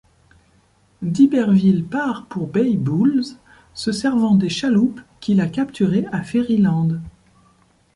D'Iberville part pour Bay Bulls se servant des chaloupes qu'il a capturées à Ferryland.